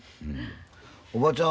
おばちゃん